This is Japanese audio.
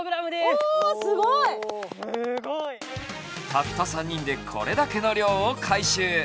たった３人でこれだけの量を回収。